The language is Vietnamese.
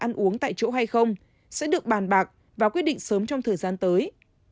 ăn uống tại chỗ hay không sẽ được bàn bạc và quyết định sớm trong thời gian tới